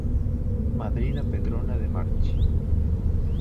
Madrina Petrona Demarchi.